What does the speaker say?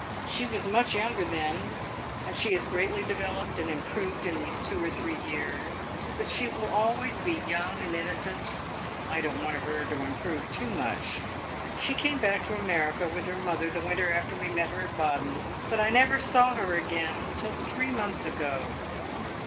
She was much younger then, and she has greatly developed and improved in these two or three years. But she will always be young and innocent I don't want her to improve too much. She came back to America with her mother the winter after we met her at Baden, but I never saw her again till three months ago.